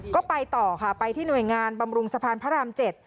ก็ไปต่อค่ะไปที่หน่วยงานบำรุงสะพานพระราม๗